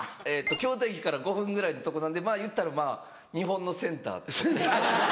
京都駅から５分ぐらいのとこなんでいったらまぁ日本のセンター。